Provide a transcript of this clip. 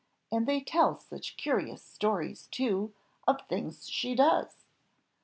and they tell such curious stories, too, of the things she does."